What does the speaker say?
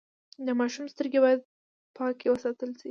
د ماشوم سترګې باید پاکې وساتل شي۔